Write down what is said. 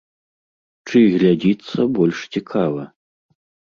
Чый глядзіцца больш цікава?